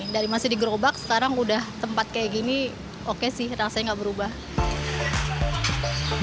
dari masih di gerobak sekarang sudah tempat seperti ini oke sih rasanya tidak berubah